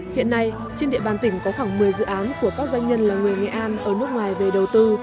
hiện nay trên địa bàn tỉnh có khoảng một mươi dự án của các doanh nhân là người nghệ an ở nước ngoài về đầu tư